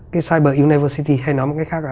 cái cyber university hay nói một cái khác là